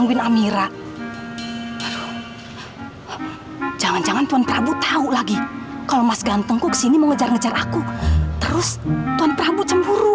baru saya mau nyiapin nasi goreng sepanjang kamu mas